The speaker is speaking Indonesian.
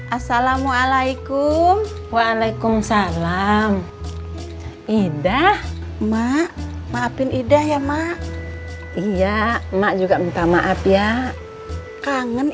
assalamualaikum waalaikumsalam ida emak maafin idah ya emak iya emak juga minta maaf ya kangen